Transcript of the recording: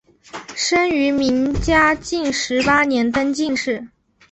生于明嘉靖十八年登进士。